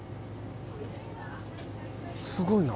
すごいな。